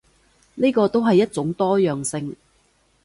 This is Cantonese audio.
呢個都係一種多樣性